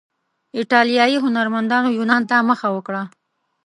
ایټالیایي هنرمندانو یونان ته مخه وکړه.